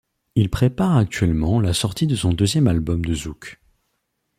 Il prépare actuellement la sortie de son deuxième album de Zouk.